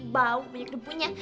bau banyak debunya